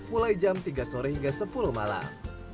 mulai jam tiga sore hingga sepuluh malam